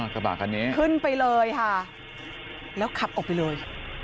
ขึ้นไปเลยค่ะแล้วขับออกไปเลย